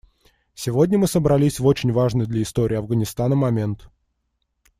Сегодня мы собрались в очень важный для истории Афганистана момент.